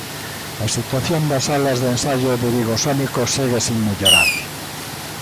A situación das salas de ensaio de Vigosónico segue sen mellorar.